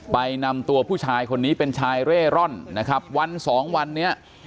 ไปนำตัวผู้ชายคนนี้เป็นชายเร่ร่อนนะครับวันสองวันนี้